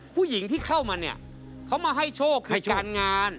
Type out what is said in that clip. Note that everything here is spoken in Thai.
ผู้หญิงที่เข้ามาเนี่ยเขามาให้โชคในการงาน